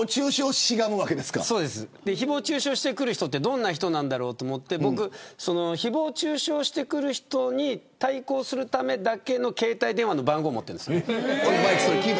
誹謗中傷をしてくる人ってどんな人なんだろうと思って僕、誹謗中傷してくる人に対抗するためだけの携帯電話の番号を持っているんです。